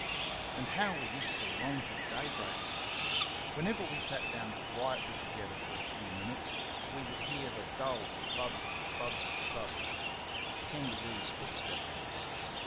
And how we used to long for daybreak! Whenever we sat down quietly together for a few minutes we would hear the dull THUD! THUD! THUD! the kangaroo's footstep.